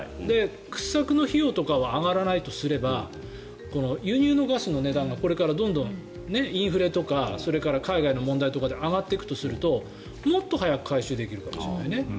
掘削の費用とかは上がらないとすれば輸入のガスの値段がこれからどんどんインフレとか海外の問題とかで上がっていくとするともっと早く回収できるかもしれないね。